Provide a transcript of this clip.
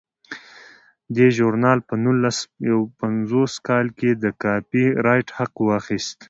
دې ژورنال په نولس سوه یو پنځوس کال کې د کاپي رایټ حق واخیست.